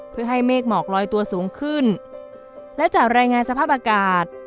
เพื่อให้เมฆหมอกลอยตัวสูงขึ้นและจากรายงานสภาพอากาศ